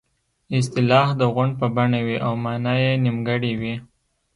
اصطلاح د غونډ په بڼه وي او مانا یې نیمګړې وي